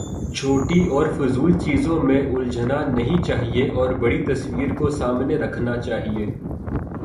چھوٹی اور فضول چیزوں میں الجھنا نہیں چاہیے اور بڑی تصویر کو سامنے رکھنا چاہیے۔